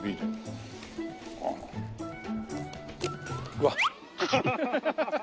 うわっ。